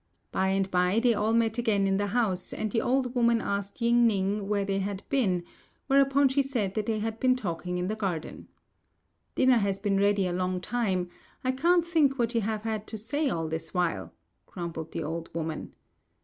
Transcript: By and by they all met again in the house, and the old woman asked Ying ning where they had been; whereupon she said they had been talking in the garden. "Dinner has been ready a long time. I can't think what you have had to say all this while," grumbled the old woman.